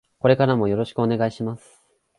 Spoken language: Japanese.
これからもよろしくお願いします。